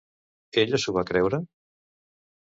Ella s'ho va creure?